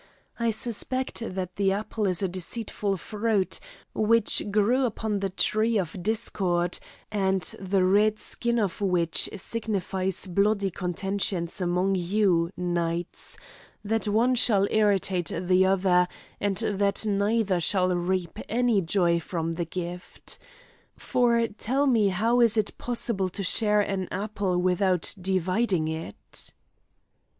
I suspect that the apple is a deceitful fruit, which grew upon the tree of discord, and the red skin of which signifies bloody contentions among you, knights, that one shall irritate the other, and that neither shall reap any joy from the gift. For tell me how is it possible to share an apple without dividing it?"